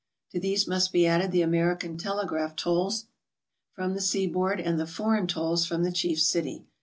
To these must be added the American tele graph tolls from the seaboard, and the foreign tolls from the chief city.